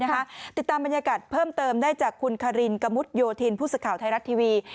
ติดตามบรรยากาศเพิ่มเติมได้จากคุณคารินกะมุดโยธินผู้สื่อข่าวไทยรัฐทีวี